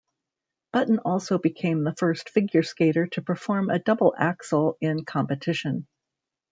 Button also became the first figure skater to perform a double axel in competition.